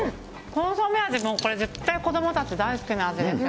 コンソメ味もこれ、絶対子どもたち大好きな味ですよ。